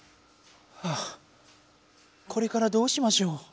はぁこれからどうしましょう。